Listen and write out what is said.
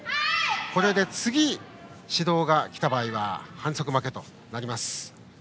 これで次、指導が来た場合は反則負けとなります。